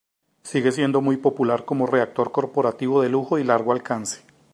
Sigue siendo muy popular como reactor corporativo de lujo y largo alcance.